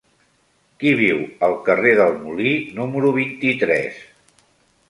Qui viu al carrer del Molí número vint-i-tres?